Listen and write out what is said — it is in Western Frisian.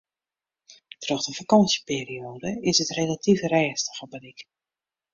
Troch de fakânsjeperioade is it relatyf rêstich op 'e dyk.